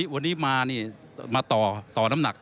วันนี้มานี่มาต่อน้ำหนัก